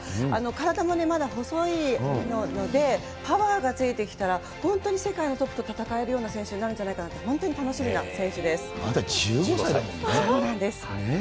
体もまだ細いので、パワーがついてきたら、本当に世界のトップと戦えるような選手になるんじゃないかと、まだ１５才だもんね。